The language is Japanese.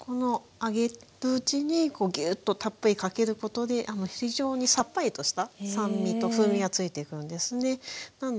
揚げるうちにこうぎゅっとたっぷりかけることで非常にさっぱりとした酸味と風味がついてくるんですね。